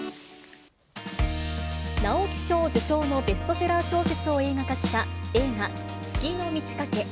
直木賞受賞のベストセラー小説を映画化した映画、月の満ち欠け。